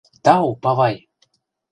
— Тау, павай!